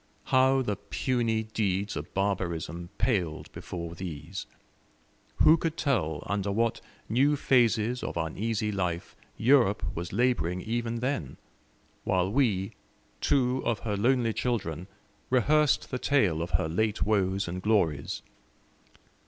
How the puny deeds of barbarism paled before these! Who could tell under what new phases of uneasy life Europe was labouring even then, while we, two of her lonely children, rehearsed the tale of her late woes and glories?